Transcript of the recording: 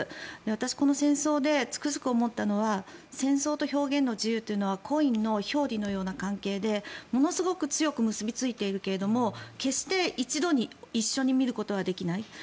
私、この戦争でつくづく思ったのは戦争と表現の自由というのはコインの表裏のような関係でものすごく強く結びついているけれども決して一度に一緒に見ることはできない。